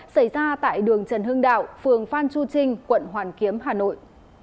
xảy ra tại đường trần hưng đạo phường phan chu trinh quận hoàn kiếm hà nội